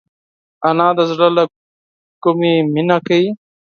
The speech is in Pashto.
انا د زړه له کومي مینه کوي